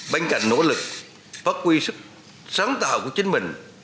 bên cạnh nỗ lực phát huy sức sáng tạo của chính mình